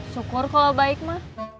syukur kalau baik ma